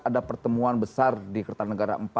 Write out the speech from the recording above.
ada pertemuan besar di kertanegaraan itu